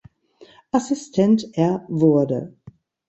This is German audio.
Assistent er wurde.